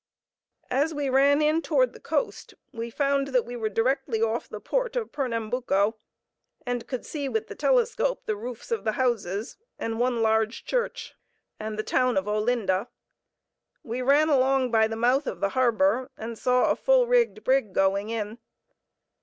As we ran in toward the coast, we found that we were directly off the port of Pernambuco, and could see with the telescope the roofs of the houses, and one large church, and the town of Olinda. We ran along by the mouth of the harbor, and saw a full rigged brig going in.